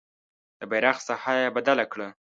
د بیرغ ساحه یې بدله کړه.